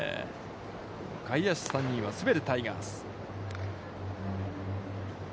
外野手３人は全てタイガース。